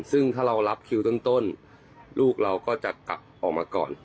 ซึ่งถ้าเรารับคิวต้นลูกเราก็จะกลับออกมาก่อน